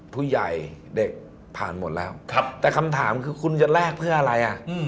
ผู้ใหญ่เด็กผ่านหมดแล้วแต่คำถามคือคุณจะแลกเพื่ออะไรอ่ะ